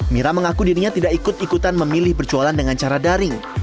mira mengaku dirinya tidak ikut ikutan memilih berjualan dengan cara daring